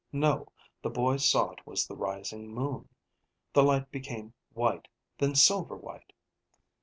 No. The boy saw it was the rising moon. The light became white, then silver white.